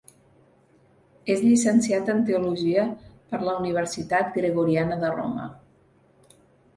És llicenciat en Teologia per la Universitat Gregoriana de Roma.